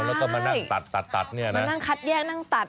แล้วก็มานั่งตัดตัดเนี่ยนะมานั่งคัดแยกนั่งตัด